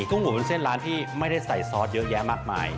กุ้งหมูเป็นเส้นร้านที่ไม่ได้ใส่ซอสเยอะแยะมากมาย